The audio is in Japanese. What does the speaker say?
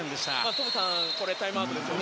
トムさんタイムアウトですね。